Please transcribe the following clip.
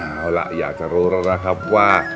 เอาล่ะอยากจะรู้แล้วนะครับว่า